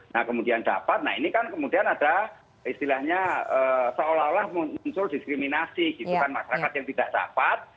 nah kemudian dapat nah ini kan kemudian ada istilahnya seolah olah muncul diskriminasi gitu kan masyarakat yang tidak dapat